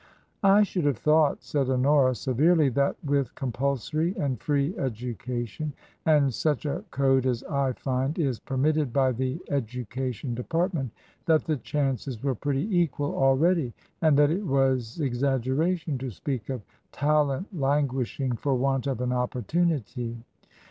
I should have thought," said Honora, severely, " that with compulsory and free education, and such a Code as I find is permitted by the Education Department, that the chances were pretty equal already, and that it was exaggeration to speak of 'talent languishing for want of an opportunity.